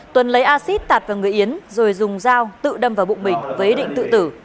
tuấn lấy acid tạt vào người yến rồi dùng dao tự đâm vào bụng mình với ý định tự tử